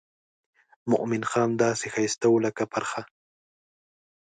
مومن خان داسې ښایسته و لکه پرخه.